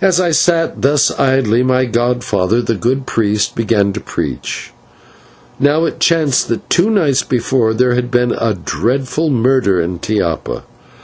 As I sat thus idly, my godfather, the good priest, began to preach. Now, it chanced that two nights before there had been a dreadful murder in Tiapa.